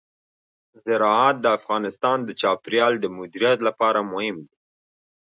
زراعت د افغانستان د چاپیریال د مدیریت لپاره مهم دي.